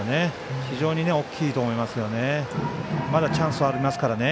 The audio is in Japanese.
非常に大きいと思いますよね。